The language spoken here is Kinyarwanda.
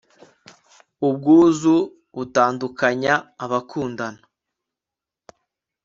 Ubwuzu butandukanya abakundana